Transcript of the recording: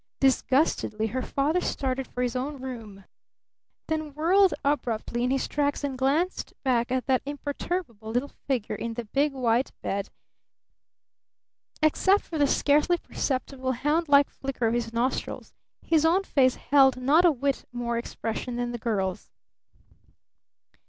Disgustedly her father started for his own room, then whirled abruptly in his tracks and glanced back at that imperturbable little figure in the big white bed. Except for the scarcely perceptible hound like flicker of his nostrils, his own face held not a whit more expression than the girl's.